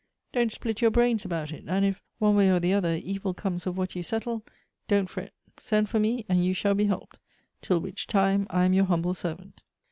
Don't split your brains about it ; and if, one way or the other, evil comes of what you settle, don't fret ; send for me, and you shall be helped. Till which time, I am your humble servant."